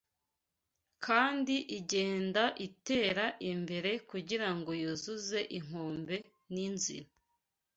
kandi igenda itera imbere kugirango yuzuze Inkombe ninzira